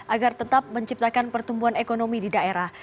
agar tetap menciptakan pertumbuhan ekonomi di daerah